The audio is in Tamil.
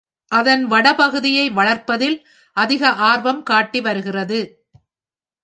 அதன் வட பகுதியை வளர்ப்பதில் அதிக ஆர்வம் காட்டி வருகிறது.